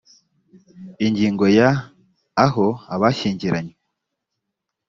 ingingo ya…: aho abashyingiranywe